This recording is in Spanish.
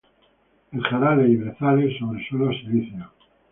En jarales y brezales, sobre suelos silíceos.